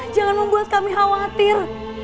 jangan membuat kami khawatir